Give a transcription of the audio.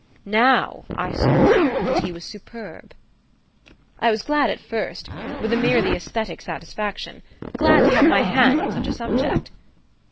Now I saw that he was superb. "I was glad at first, with a merely aesthetic satisfaction: glad to have my hand on such a 'subject.